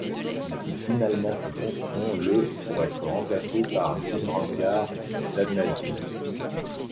Il quitte finalement ses fonctions le pour être remplacé par Djimrangar Dadnadji.